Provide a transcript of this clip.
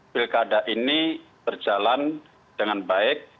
pilkada ini berjalan dengan baik